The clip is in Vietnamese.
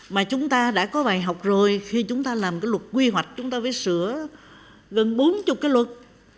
mà chúng ta đã có vài học rồi khi chúng ta làm cái luật quy hoạch chúng ta phải sửa gần bốn mươi cái luật